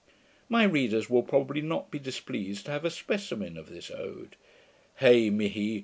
My readers will probably not be displeased to have a specimen of this ode: Hei mihi!